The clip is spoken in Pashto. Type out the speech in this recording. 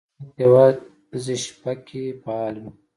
ځینې حیوانات یوازې شپه کې فعال وي.